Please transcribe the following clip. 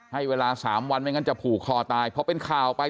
ให้เวลา๓วันไม่งั้นจะผูกคอตายพอเป็นข่าวไป